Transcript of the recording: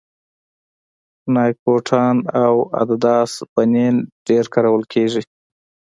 نایک بوټان او اډیډاس بنېن ډېر کارول کېږي